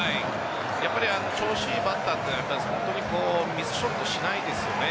やっぱり調子いいバッターというのはミスショットしないですよね。